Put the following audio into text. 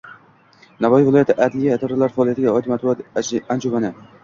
Navoiy viloyati adliya idoralari faoliyatiga oid matbuot anjumani